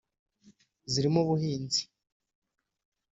zirimo ubuhinzi